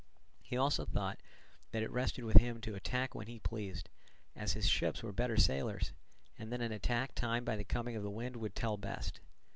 He also thought that it rested with him to attack when he pleased, as his ships were better sailers, and that an attack timed by the coming of the wind would tell best.